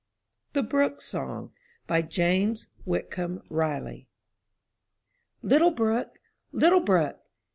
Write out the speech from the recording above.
THE BROOK SONG* James Whitcomb Riley Little brook! Little brook!